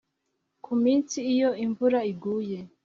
ku minsi iyo imvura iguye